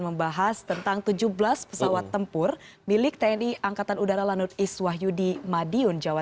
membahas tentang tujuh belas pesawat tempur milik tni angkatan udara lanut iswah yudi madiun jawa